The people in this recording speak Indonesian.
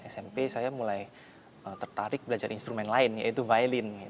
smp saya mulai tertarik belajar instrumen lain yaitu violen